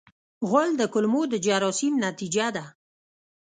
غول د کولمو د جراثیم نتیجه ده.